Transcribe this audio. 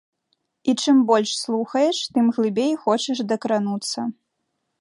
І чым больш слухаеш, тым глыбей хочаш дакрануцца.